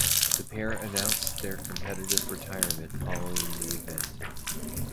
The pair announced their competitive retirement following the event.